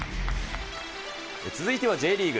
続いてはＪリーグ。